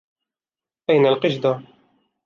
أين القِشدة؟